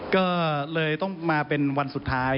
ก็เลยต้องมาเป็นวันสุดท้าย